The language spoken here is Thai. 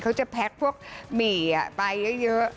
เขาจะแพ็คพวกหมี่ไปเยอะ